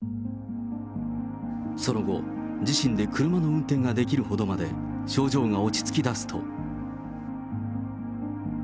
その後、自身で車の運転ができるほどまで、症状が落ち着きだすと。